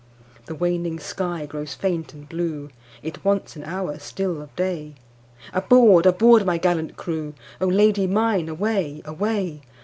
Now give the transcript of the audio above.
The waning sky grows faint and blue, It wants an hour still of day, Aboard! aboard! my gallant crew,O Lady mine away! away!